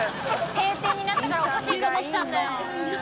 定点になったからおかしいと思ったんだよ。